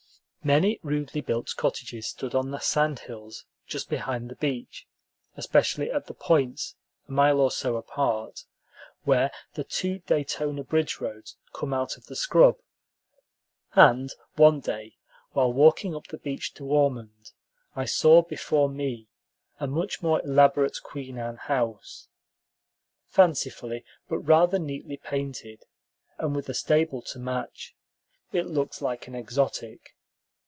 Many rudely built cottages stood on the sand hills just behind the beach, especially at the points, a mile or so apart, where the two Daytona bridge roads come out of the scrub; and one day, while walking up the beach to Ormond, I saw before me a much more elaborate Queen Anne house. Fancifully but rather neatly painted, and with a stable to match, it looked like an exotic.